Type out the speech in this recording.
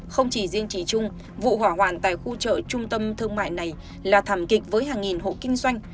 không chỉ riêng chị trung vụ hỏa hoạn tại khu chợ trung tâm thương mại này là thảm kịch với hàng nghìn hộ kinh doanh